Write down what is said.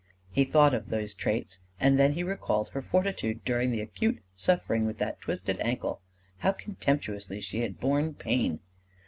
He thought of these traits. And then he recalled her fortitude during the acute suffering with that twisted ankle! How contemptuously she had borne pain!